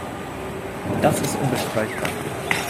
Das ist unbestreitbar.